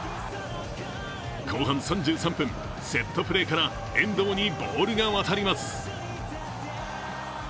後半３３分、セットプレーから遠藤にボールが渡ります。